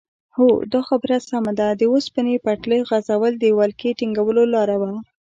هو دا خبره سمه ده د اوسپنې پټلۍ غځول د ولکې ټینګولو لاره وه.